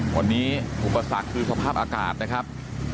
วันนี้อุปสรรคคือสภาพอากาศนะครับ